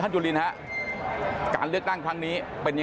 บีเป๊ท่านสุดท้ายพี่บี